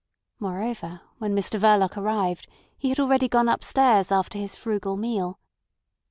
Moreover, when Mr Verloc arrived he had already gone upstairs after his frugal meal.